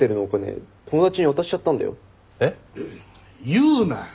言うなよ。